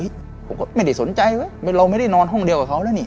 ผมก็ไม่ได้สนใจเว้ยเราไม่ได้นอนห้องเดียวกับเขาแล้วนี่